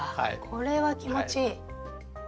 これは気持ちいい。